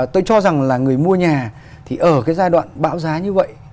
tôi cho rằng là người mua nhà thì ở cái giai đoạn bão giá như vậy